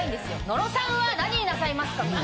野呂さんは何になさいますか。